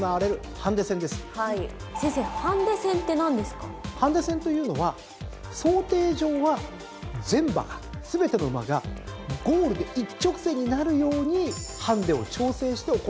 ハンデ戦というのは想定上は全馬が全ての馬がゴールで一直線になるようにハンデを調整して行われるレースなんです。